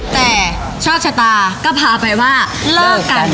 แต่โชคชะตาก็พาไปว่าเลิกกัน